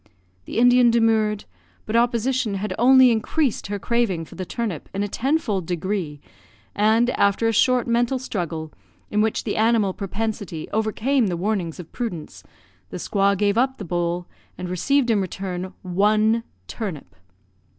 The Indian demurred; but opposition had only increased her craving for the turnip in a tenfold degree; and, after a short mental struggle, in which the animal propensity overcame the warnings of prudence, the squaw gave up the bowl, and received in return one turnip!